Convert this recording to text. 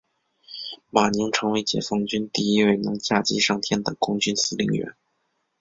马宁成为解放军第一位能驾机上天的空军司令员。